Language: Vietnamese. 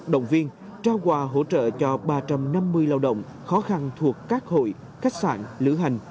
động viên trao quà hỗ trợ cho ba trăm năm mươi lao động khó khăn thuộc các hội khách sạn lữ hành